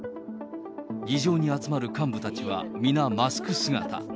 議場に集まる幹部たちは、皆マスク姿。